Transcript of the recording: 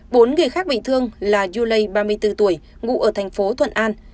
bốn người khác bị thương là yolay ba mươi bốn tuổi ngụ ở thành phố thuận an